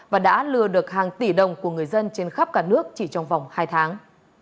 và đã lừa được hàng tỷ đồng của người dân trên khắp cả nước chỉ trong vòng hai tháng